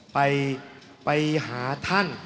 ไปหาท่าน